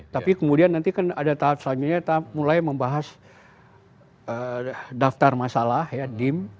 tapi kemudian nanti kan ada tahap selanjutnya mulai membahas daftar masalah ya dim